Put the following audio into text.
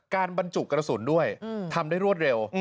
บรรจุกระสุนด้วยทำได้รวดเร็ว